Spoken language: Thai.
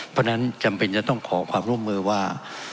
เพราะฉะนั้นจำเป็นจะต้องขอความร่วมมือว่า